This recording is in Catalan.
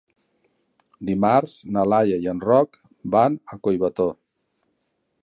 Dimarts na Laia i en Roc van a Collbató.